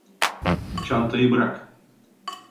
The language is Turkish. Çantayı bırak.